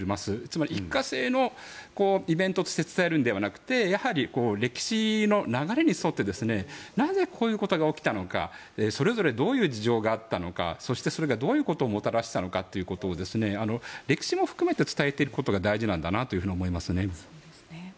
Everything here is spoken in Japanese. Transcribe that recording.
つまり一過性のイベントとして設置されるのではなくてやはり、歴史の流れに沿ってなぜ、こういうことが起きたのかそれぞれどういう事情があったのかそして、それがどういうことをもたらしたのかということを歴史も含めて伝えていくことが大事なんだなと思いますね。